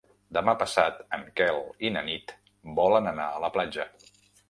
Demà passat en Quel i na Nit volen anar a la platja.